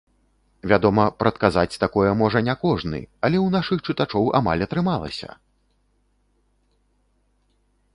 Вядома, прадказаць такое можа не кожны, але ў нашых чытачоў амаль атрымалася!